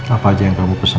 apa aja yang kamu pesan